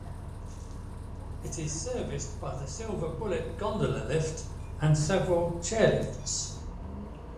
It is serviced by the Silver Bullet gondola lift and several chairlifts.